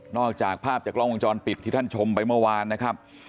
จากภาพจากกล้องวงจรปิดที่ท่านชมไปเมื่อวานนะครับ